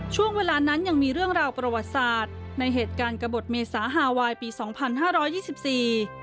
ช่วงเวลานั้นยังมีเรื่องราวประวัติศาสตร์ในเหตุการณ์กระบดเมษาฮาไวน์ปีสองพันห้าร้อยยี่สิบสี่